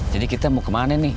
jadi kita mau kemana nih